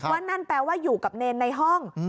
นั่นแปลว่าอยู่กับเนรในห้อง